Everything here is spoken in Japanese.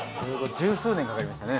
十数年かかりました。